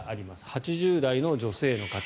８０代の女性の方